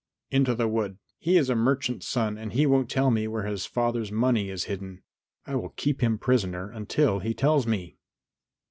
"Into the wood. He is a merchant's son and won't tell me where his father's money is hidden. I will keep him prisoner until he tells me."